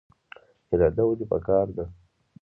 اراده ولې پکار ده؟